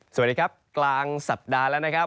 สวัสดีครับกลางสัปดาห์แล้วนะครับ